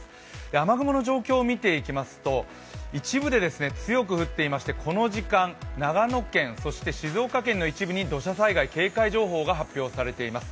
雨雲の状況を見ていきますと、一部で強く降っていましてこの時間、長野県、そして静岡県の一部に土砂災害警戒情報が発表されています。